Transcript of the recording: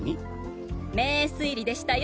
名推理でしたよ